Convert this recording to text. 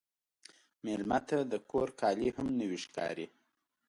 مېلمه ته د کور کالي هم نوی ښکاري.